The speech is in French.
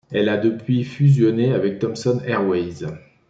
Elle a depuis fusionnée avec Thomson Airways.